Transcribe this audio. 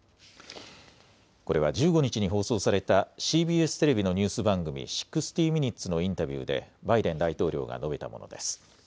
これは１５日に放送されたＣＢＳテレビのニュース番組、６０ミニッツのインタビューでバイデン大統領が述べたものです。